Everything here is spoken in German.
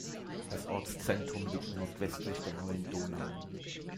Das Ortszentrum liegt nordwestlich der Neuen Donau.